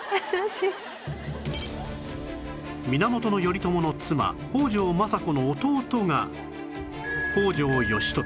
源頼朝の妻北条政子の弟が北条義時